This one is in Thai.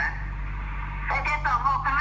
เธอจะต้องหกขนาดมันต้องเปล่า